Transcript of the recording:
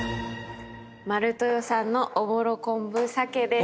「丸豊」さんのおぼろ昆布鮭です。